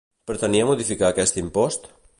Pretenia modificar aquest impost?